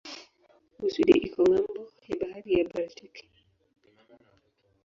Uswidi iko ng'ambo ya bahari ya Baltiki.